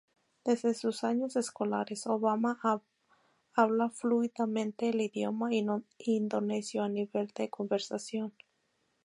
Desde sus años escolares, Obama habla fluidamente el idioma indonesio a nivel de conversación.